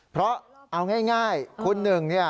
เพราะเอาง่ายคุณหนึ่ง